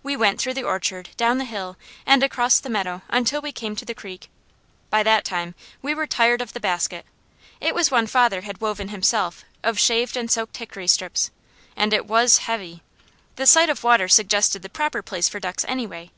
We went through the orchard, down the hill and across the meadow until we came to the creek. By that time we were tired of the basket. It was one father had woven himself of shaved and soaked hickory strips, and it was heavy. The sight of water suggested the proper place for ducks, anyway.